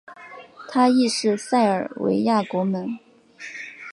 他亦是塞尔维亚国门。